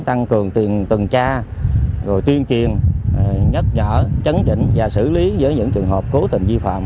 tăng cường tuyên truyền nhắc nhở chấn chỉnh và xử lý những trường hợp cố tình vi phạm